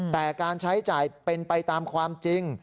แต่การใช้จ่ายเป็นไปตามความจริง